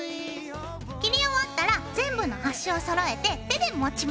切り終わったら全部のはしを揃えて手で持ちます。